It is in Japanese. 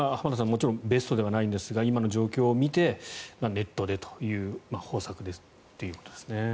もちろんベストではないんですが今の状況を見てネットでという方策ということですね。